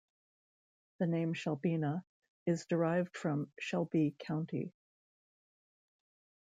The name "Shelbina" is derived from Shelby County.